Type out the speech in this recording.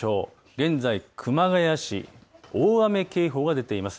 現在、熊谷市、大雨警報が出ています。